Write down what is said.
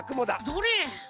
どれ？